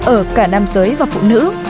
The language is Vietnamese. ở cả nam giới và phụ nữ